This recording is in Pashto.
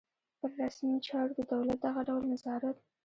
پر رسمي چارو د دولت دغه ډول نظارت.